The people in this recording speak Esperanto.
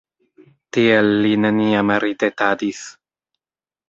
Tiel li neniam ridetadis.